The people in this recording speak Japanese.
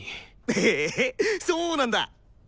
へえそうなんだ！